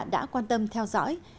cảm ơn các bạn đã quan tâm theo dõi